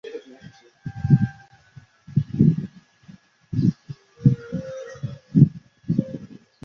在他入党的时候并没有什么编号和证件。